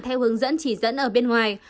theo hướng dẫn chỉ dẫn ở bên ngoài